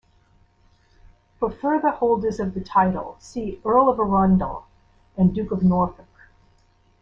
For further holders of the title see Earl of Arundel and Duke of Norfolk.